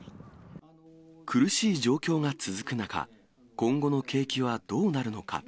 苦しい状況が続く中、今後の景気はどうなるのか。